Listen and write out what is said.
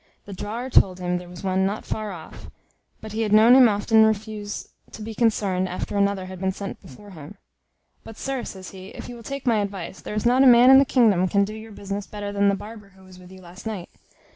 The drawer told him, there was one not far off; but he had known him often refuse to be concerned after another had been sent before him; "but, sir," says he, "if you will take my advice, there is not a man in the kingdom can do your business better than the barber who was with you last night.